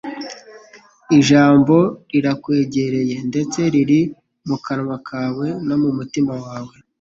Ijambo rirakwegereye, ndetse riri mu kanwa kawe no mu mutima wawe: